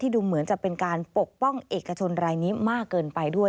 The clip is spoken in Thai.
ดูเหมือนจะเป็นการปกป้องเอกชนรายนี้มากเกินไปด้วย